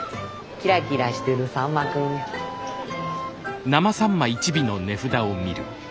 キラキラしてるさんまくん。